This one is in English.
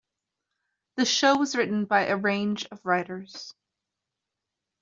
The show was written by a range of writers.